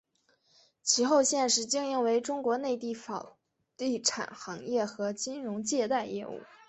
其后现时经营为中国内地房地产行业和金融借贷业务。